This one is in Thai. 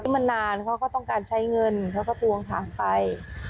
มันนานเขาก็ต้องการใช้เงินเขาก็ทวงถามไป